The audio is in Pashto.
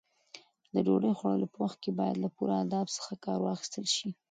د ډوډۍ خوړلو په وخت کې باید له پوره ادب څخه کار واخیستل شي.